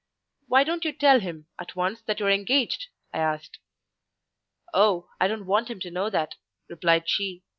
"Why don't you tell him, at once, that you are engaged?" I asked. "Oh, I don't want him to know that," replied she.